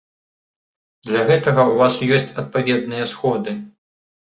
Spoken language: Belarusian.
Для гэтага ў вас ёсць адпаведныя сходы.